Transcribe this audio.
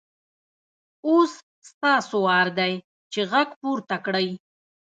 اوس ستاسو وار دی چې غږ پورته کړئ.